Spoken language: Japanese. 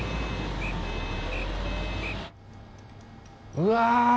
うわ